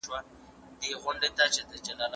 سفیران چیرته د مدني ټولني ملاتړ کوي؟